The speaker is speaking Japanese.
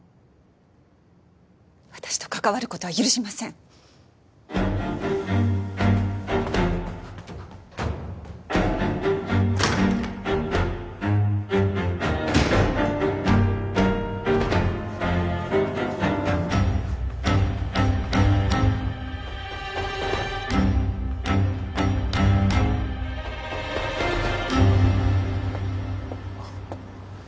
私と関わることは許しませんあっ